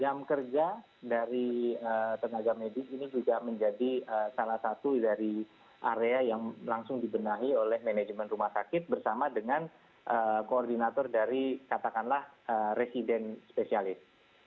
jam kerja dari tenaga medis ini juga menjadi salah satu dari area yang langsung dibenahi oleh manajemen rumah sakit bersama dengan koordinator dari katakanlah resident spesialis